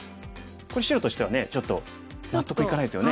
これ白としてはねちょっと納得いかないですよね。